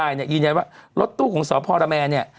ยืนยันว่ารถตู้ของสพรแมนเนี่ย